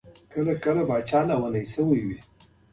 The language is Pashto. یو بل ښکلی او زړه ور هلک هم زموږ سره بستر و.